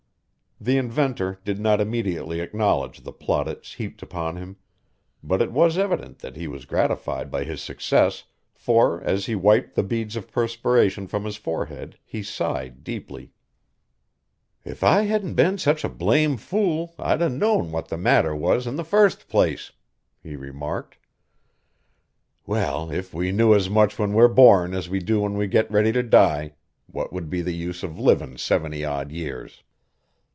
The inventor did not immediately acknowledge the plaudits heaped upon him, but it was evident he was gratified by his success for, as he wiped the beads of perspiration from his forehead he sighed deeply. "If I hadn't been such a blame fool I'd 'a' known what the matter was in the first place," he remarked. "Well, if we knew as much when we're born as we do when we get ready to die, what would be the use of livin' seventy odd years?"